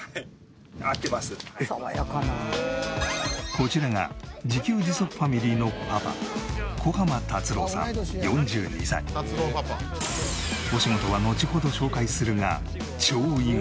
こちらが自給自足ファミリーのパパお仕事はのちほど紹介するが超意外。